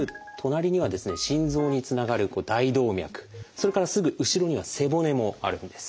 それからすぐ後ろには背骨もあるんです。